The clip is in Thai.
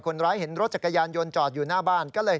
คนร้ายเห็นรถจักรยานยนต์จอดอยู่หน้าบ้านก็เลย